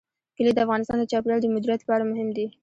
کلي د افغانستان د چاپیریال د مدیریت لپاره مهم دي.